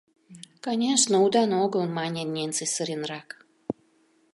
— Конешне, удан огыл, — мане Ненси сыренрак.